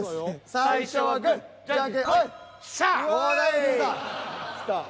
最初はグー！